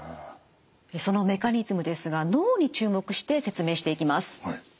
そのメカニズムですが脳に注目して説明していきます。